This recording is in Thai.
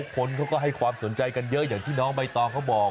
คนเขาก็ให้ความสนใจกันเยอะอย่างที่น้องใบตองเขาบอก